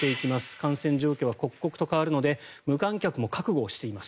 感染状況は刻々と変わるので無観客も覚悟しています。